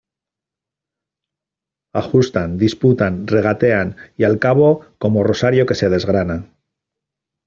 ajustan, disputan , regatean , y al cabo , como rosario que se desgrana